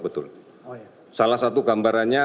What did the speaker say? betul salah satu gambarannya